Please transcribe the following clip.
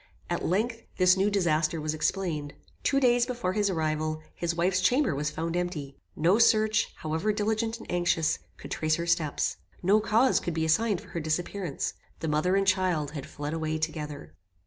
At length, this new disaster was explained. Two days before his arrival, his wife's chamber was found empty. No search, however diligent and anxious, could trace her steps. No cause could be assigned for her disappearance. The mother and child had fled away together.